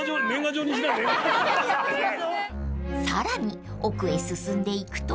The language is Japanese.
［さらに奥へ進んでいくと］